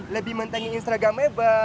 lebih mentingin instagramnya